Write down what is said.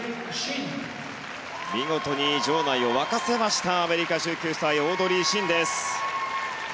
見事に場内を沸かせましたアメリカ、１９歳オードリー・シンです。